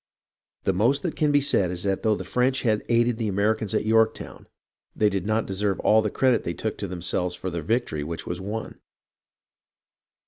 The most that can be said is that though the French had aided the Americans at Yorktown, they did not deserve all the credit they took to themselves for the victory which was won.